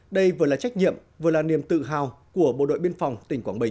đây vừa là trách nhiệm vừa là niềm tự hào của bộ đội biên phòng tỉnh quảng bình